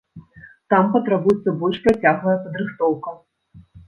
Там патрабуецца больш працяглая падрыхтоўка.